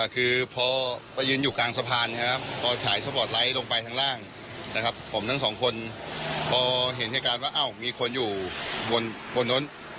คือพก็ยืนอยู่กลางสะพานนะครับตอนถ่ายสปอร์ตไลค์ลงไปทางล่างนะครับผมทั้งสองคนก็เห็นทีใคระว่าอ้าวมีคนอยู่บนย